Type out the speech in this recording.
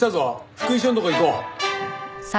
福井翔のところ行こう。